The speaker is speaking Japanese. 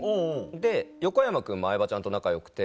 で横山君も相葉ちゃんと仲よくて。